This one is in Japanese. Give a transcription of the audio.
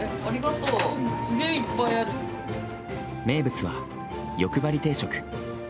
名物は、よくばり定食。